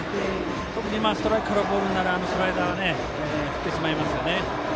特にストライクからボールになるあのスライダーは振ってしまいますよね。